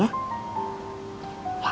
ya sebentar aja